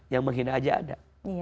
yang menghina aja ada